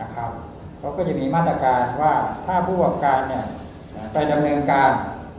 เขาก็จะมีมาตรการว่าถ้าผู้ประกอบการไปดำเนินการ